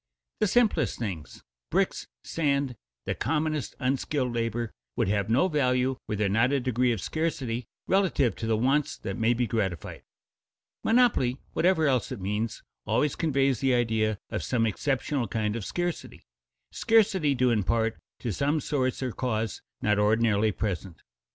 The simplest things bricks, sand, the commonest unskilled labor would have no value were there not a degree of scarcity relative to the wants that may be gratified. "Monopoly," whatever else it means, always conveys the idea of some exceptional kind of scarcity, scarcity due in part to some source or cause not ordinarily present.